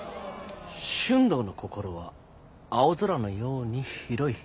俊藤の心は青空のように広い。